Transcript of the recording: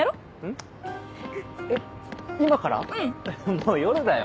もう夜だよ。